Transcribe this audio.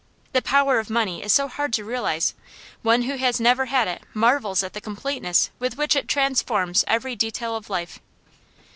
The power of money is so hard to realise; one who has never had it marvels at the completeness with which it transforms every detail of life.